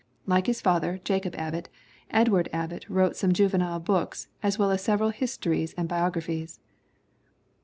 Like his father, Jacob Abbott, Edward Abbott wrote some juvenile books as well as several histories and biographies.